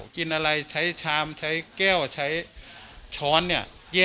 กินอะไรใช้ชามใช้แก้วใช้ช้อนเนี่ย